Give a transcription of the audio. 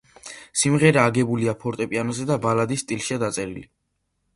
სიმღერა აგებულია ფორტეპიანოზე და ბალადის სტილშია დაწერილი.